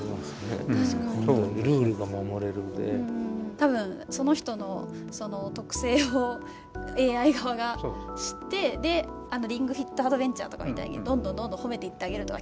多分その人の特性をＡＩ側が知ってあのリングフィットアドベンチャーとかみたいにどんどんどんどん褒めていってあげるとか。